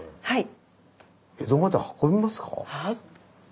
はい。